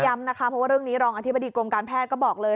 ย้ำนะคะเพราะว่าเรื่องนี้รองอธิบดีกรมการแพทย์ก็บอกเลย